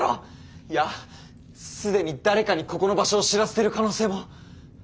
いやすでに誰かにここの場所を知らせてる可能性も。